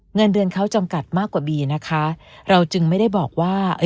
เงินเดือนเขาจำกัดมากกว่าบีนะคะเราจึงไม่ได้บอกว่า